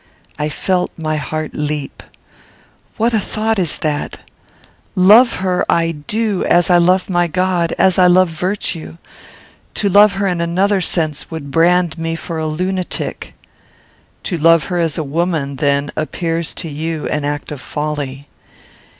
I felt my heart leap. "What a thought is that! Love her I do as I love my God; as I love virtue. To love her in another sense would brand me for a lunatic." "To love her as a woman, then, appears to you an act of folly."